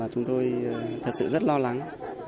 chúng tôi thật sự rất lo lắng